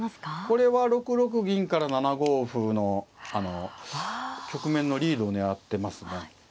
これは６六銀から７五歩の局面のリードを狙ってますね。